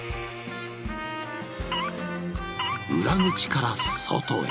裏口から外へ。